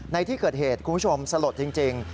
ในที่เกิดเหตุคุณผู้ชมสลดจริง